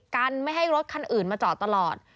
กันไม่ให้รถคันอื่นมาจอดตลอด